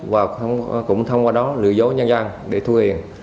và cũng thông qua đó lừa dối nhân dân để thu tiền